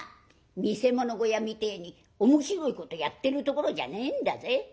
見せ物小屋みてえに面白いことやってるところじゃねえんだぜ。